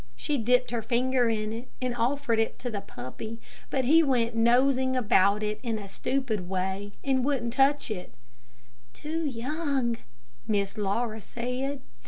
She dipped her finger in it, and offered it to the puppy, but he went nosing about it in a stupid way, and wouldn't touch it "Too young," Miss Laura said.